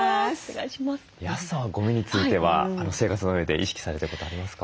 安さんはゴミについては生活のうえで意識されてることありますか？